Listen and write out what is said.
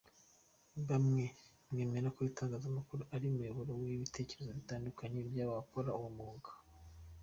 Mwaba mwemera ko itangazamakuru ari umuyoboro w’ibitekerezo bitandukanye by’abakora uwo mwuga ?